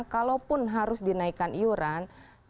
kalaupun harus dinaikkan iuran